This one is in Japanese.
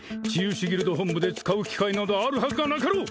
士ギルド本部で使う機会などあるはずがなかろう！